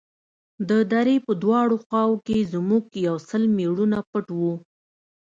د درې په دواړو خواوو کښې زموږ يو سل مېړونه پټ وو.